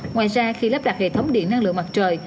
ngoài ra khi lắp đặt hệ thống điện năng lượng mặt trời